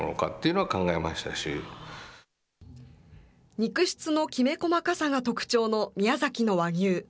肉質のきめ細かさが特長の宮崎の和牛。